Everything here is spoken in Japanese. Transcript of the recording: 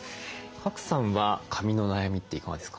賀来さんは髪の悩みっていかがですか？